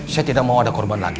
saya tidak mau ada korban lagi